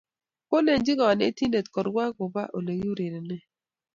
Kolenji konetindet korwai koba olekiurerene